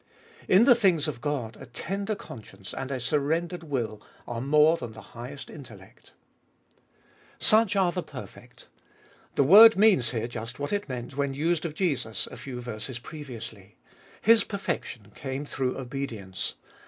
In the things of God a tender conscience and a surrendered will are more than the highest intellect. Such are the perfect. The word means here just what it meant when used of Jesus a few verses previously. His per fection came through obedience.